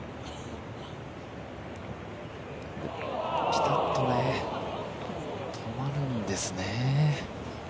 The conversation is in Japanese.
ピタッと止まるんですね。